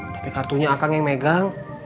tapi kartunya akang yang megang